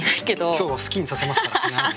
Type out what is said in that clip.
今日は好きにさせますから必ず！